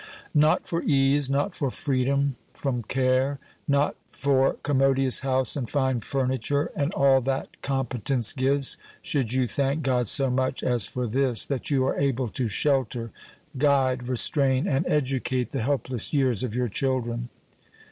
Not for ease not for freedom from care not for commodious house and fine furniture, and all that competence gives, should you thank God so much as for this, that you are able to shelter, guide, restrain, and educate the helpless years of your children.